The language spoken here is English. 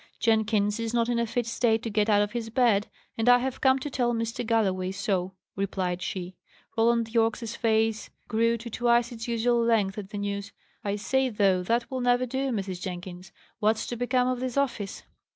"Jenkins is not in a fit state to get out of his bed, and I have come to tell Mr. Galloway so," replied she. Roland Yorke's face grew to twice its usual length at the news. "I say, though, that will never do, Mrs. Jenkins. What's to become of this office?"